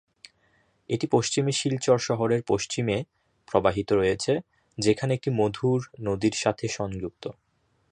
এটি পশ্চিমে শিলচর শহরের পশ্চিমে প্রবাহিত রয়েছে যেখানে এটি মধুর নদীর সাথে সংযুক্ত।